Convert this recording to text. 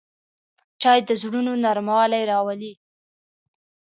چای د زړونو نرموالی راولي